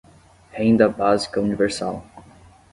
Renda Básica Universal